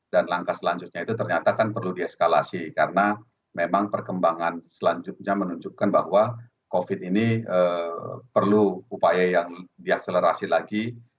dan langkah selanjutnya itu ternyata kan perlu di eskalasi karena memang perkembangan selanjutnya menunjukkan bahwa covid ini perlu upaya yang diakselerasi lagi